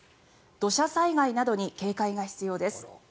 土砂災害などに警戒が必要です。